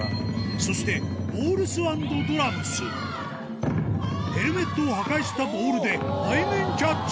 そしてヘルメットを破壊したボールで背面キャッチ